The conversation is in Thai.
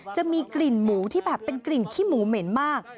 จะมีกลิ่นหมูที่แบบเป็นกลิ่นขี้หมูเหม็นมาก